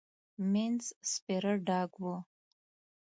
مينځ سپيره ډاګ و.